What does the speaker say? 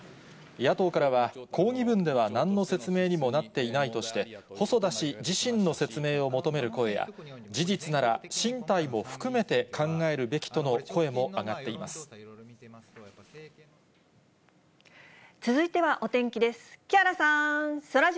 野党からは、抗議文ではなんの説明にもなっていないとして、細田自身の説明を求める声や、事実なら、進退も含めて考えるべ続いてはお天気です。